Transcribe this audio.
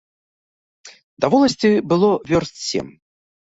Да воласці было вёрст сем.